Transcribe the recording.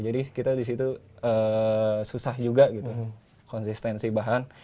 jadi kita disitu susah juga gitu konsistensi bahan